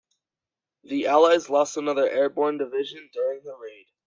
The allies lost another airborne division during the raid.